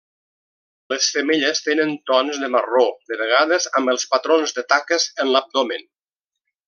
Les femelles tenen tons de marró, de vegades amb els patrons de taques en l'abdomen.